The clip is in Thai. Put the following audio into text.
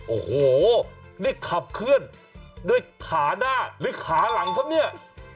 โอ้โหนี่ขับเคลื่อนด้วยขาหน้าหรือขาหลังครับเนี่ย